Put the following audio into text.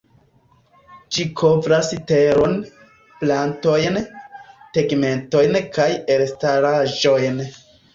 Ĝi kovras teron, plantojn, tegmentojn kaj elstaraĵojn.